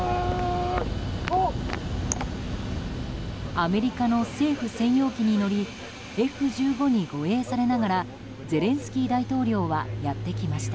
アメリカの政府専用機に乗りＦ１５に護衛されながらゼレンスキー大統領はやってきました。